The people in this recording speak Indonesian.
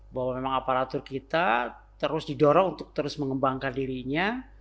bahwa memang aparatur kita terus didorong untuk terus mengembangkan dirinya